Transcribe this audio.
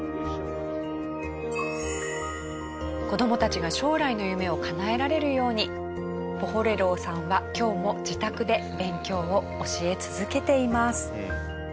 子どもたちが将来の夢をかなえられるようにポホレロウさんは今日も自宅で勉強を教え続けています。